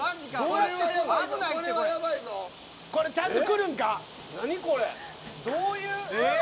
これちゃんと来るんか？